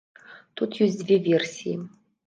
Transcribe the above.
Тут ёсць дзве версіі.